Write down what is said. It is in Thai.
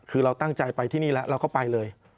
คือเราตั้งใจไปที่นี่แล้วเราก็ไปเลย